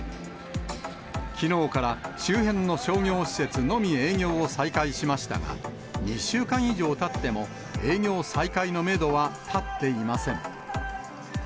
きのうから、周辺の商業施設のみ営業を再開しましたが、２週間以上たっても、営業再開のメドは立っていません。